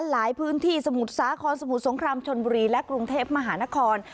หลายพื้นที่สมุทรสาครสมุทรสงครามชนบุรีและกรุงเทพมหานคร